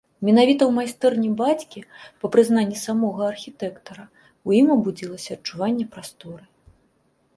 Менавіта ў майстэрні бацькі, па прызнанні самога архітэктара, у ім абудзілася адчуванне прасторы.